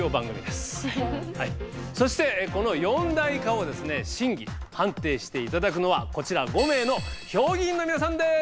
そしてこの四大化をですね審議判定して頂くのはこちら５名の評議員の皆さんです！